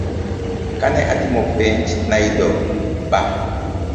Kane atimo penj, nayudo B.